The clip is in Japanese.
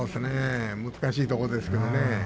難しいところですよね。